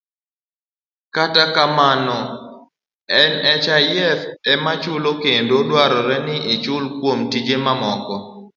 Kata kamano, nhif ema chulo kendo dwarore ni ichul kuom tije mamoko.